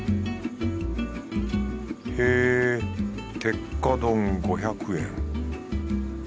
へぇ鉄火丼５００円